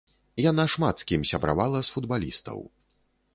Яна шмат з кім сябравала з футбалістаў.